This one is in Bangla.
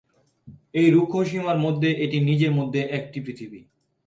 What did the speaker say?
এই রুক্ষ সীমার মধ্যে এটি নিজের মধ্যে একটি পৃথিবী।